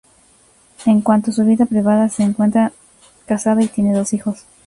En cuanto a su vida privada se encuentra casada y tiene dos hijos.